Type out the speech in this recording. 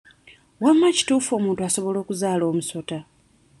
Wamma kituufu omuntu asobola okuzaala omusota?